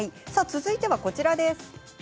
続いては、こちらです。